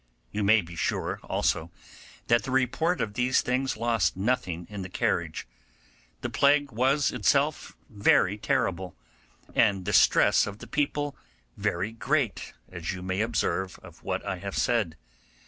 You may be sure, also, that the report of these things lost nothing in the carriage. The plague was itself very terrible, and the distress of the people very great, as you may observe of what I have said.